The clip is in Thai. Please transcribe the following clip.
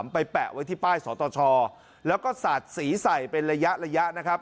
ไปแปะไว้ที่ป้ายสตชแล้วก็สาดสีใส่เป็นระยะระยะนะครับ